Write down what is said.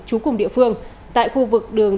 chú cùng địa phương tại khu vực đường